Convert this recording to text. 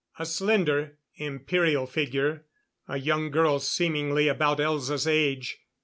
A slender, imperial figure a young girl seemingly about Elza's age.